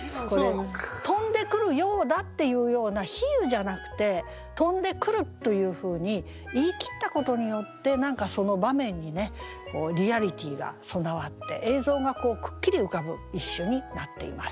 飛んでくるようだっていうような比喩じゃなくて「飛んでくる」というふうに言い切ったことによって何かその場面にねリアリティーが備わって映像がくっきり浮かぶ一首になっています。